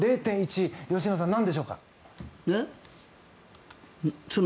０．１％吉永さん、なんでしょうか。